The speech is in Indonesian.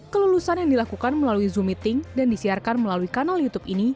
kelulusan yang dilakukan melalui zoom meeting dan disiarkan melalui kanal youtube ini